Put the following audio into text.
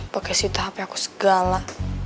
pakai sita hp aku segala